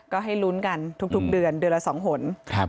ก็ให้ลุ้นกันทุกเดือนเดือนละ๒หน